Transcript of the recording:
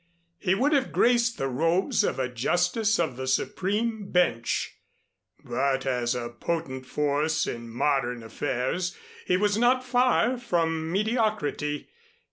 He would have graced the robes of a Justice of the Supreme Bench; but as a potent force in modern affairs he was not far from mediocrity.